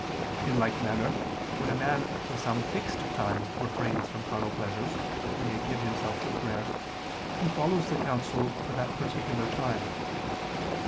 In like manner, when a man for some fixed time refrains from carnal pleasures that he may give himself to prayer, he follows the counsel for that particular time.